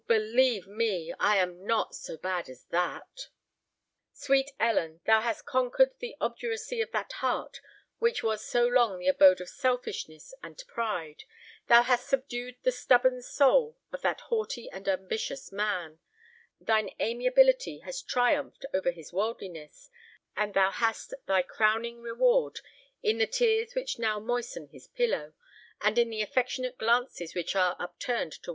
believe me—I am not so bad as that!" Sweet Ellen, thou hast conquered the obduracy of that heart which was so long the abode of selfishness and pride;—thou hast subdued the stubborn soul of that haughty and ambitious man:—thine amiability has triumphed over his worldliness;—and thou hast thy crowning reward in the tears which now moisten his pillow, and in the affectionate glances which are upturned towards thee!